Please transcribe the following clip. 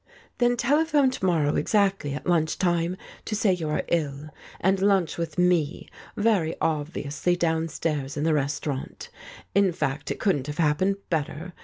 "Then telephone to morrow exactly at lunch time to say you are ill, and lunch with me very obviously downstairs in the restaurant. In fact, it couldn't have happened better.